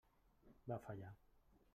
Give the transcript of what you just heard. Va fallar.